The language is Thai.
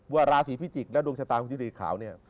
ว่าราศีพิจิกษ์และดวงชะตาของจิงรีดขาวเนี่ย